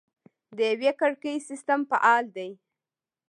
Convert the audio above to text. د یوه کړکۍ سیستم فعال دی؟